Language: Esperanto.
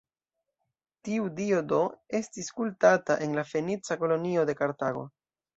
Tiu dio do, estis kultata en la fenica kolonio de Kartago.